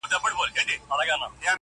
• پر وظیفه عسکر ولاړ دی تلاوت کوي.